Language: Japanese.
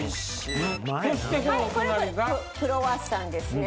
これクロワッサンですね。